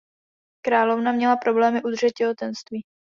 Královna měla problémy udržet těhotenství.